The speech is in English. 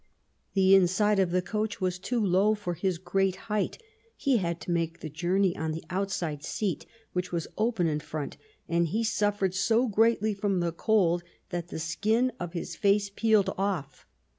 The inside of the coach was too low for his great height ; he had to make the journey on the outside seat, which was open in front, and he suffered so greatly from the cold that the skin of his face peeled off.